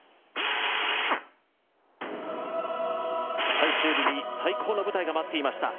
最終日に最高の舞台が待っていました。